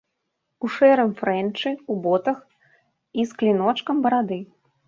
У шэрым фрэнчы, у ботах і з кліночкам барады?